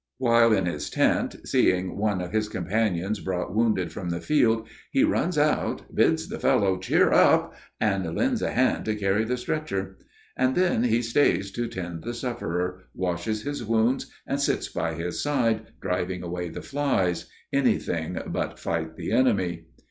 While in his tent, seeing one of his companions brought wounded from the field, he runs out, bids the fellow "Cheer up!" and lends a hand to carry the stretcher. And then he stays to tend the sufferer, washes his wounds, and sits by his side driving away the flies,—anything but fight the enemy.